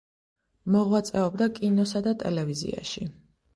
მოღვაწეობდა კინოსა და ტელევიზიაში.